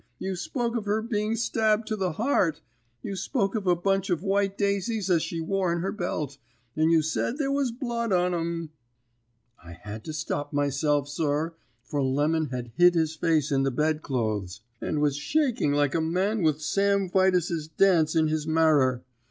you spoke of her being stabbed to the heart; you spoke of a bunch of white daisies as she wore in her belt, and you said there was blood on 'em ' "I had to stop myself, sir; for Lemon had hid his face in the bedclothes, and was shaking like a man with Sam Witus's dance in his marrer.